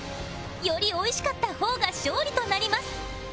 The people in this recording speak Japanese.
よりおいしかった方が勝利となります